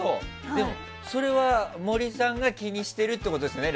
それは、森さんが気にしているってことですね。